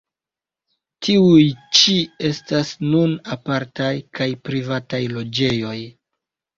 Tiuj ĉi estas nun apartaj kaj privata loĝejo.